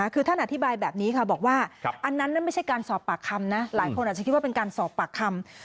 คือท่านอธิบายแบบนี้ค่ะบอกว่าอันนั้นนั่นไม่ใช่การสอบปากคำนะหลายคนอาจจะคิดว่าเป็นการสอบปากคำ